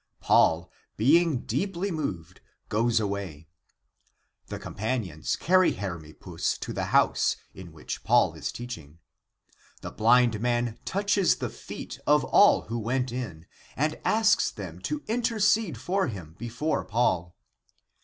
Paul being deeply moved, goes away. The companions carry Hermippus to the house, in which Paul is teaching. The blind man touches the feet of all who went in and asks them to intercede for him before Paul.